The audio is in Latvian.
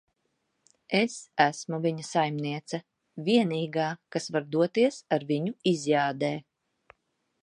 Es esmu viņa saimniece. Vienīgā, kas var doties ar viņu izjādē.